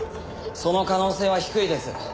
その可能性は低いです。